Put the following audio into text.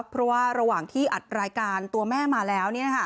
เพราะว่าระหว่างที่อัดรายการตัวแม่มาแล้ว